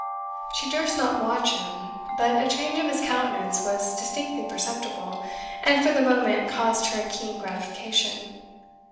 She durst not watch him, but a change of his countenance was distinctly perceptible, and for the moment caused her a keen gratification.